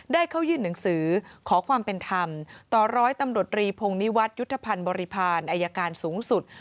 ได้เข้ายื่นหนังสือขอความเป็นธรรมต่อร้อยตำรวจรีพงนิวัฒนยุทธภัณฑ์บริพาณอายการสูงสุด